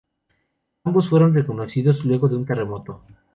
Ambos fueron reconstruidos luego de un terremoto.